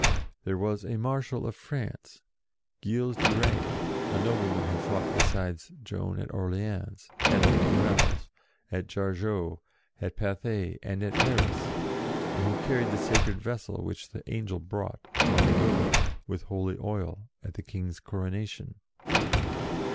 There was a Marshal of France, Gilles de Rais, a nobleman who fought beside Joan at Orleans, at Les Tourelles, at Jargeau, at Pathay, and at Paris, and who carried the sacred vessel which the Angel brought, long ago, with holy oil, at the King's coronation.